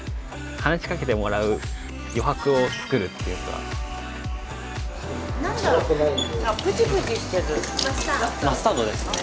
話しかけてもらう余白を作るっていうかマスタードか。